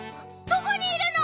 どこにいるの？